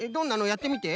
やってみて。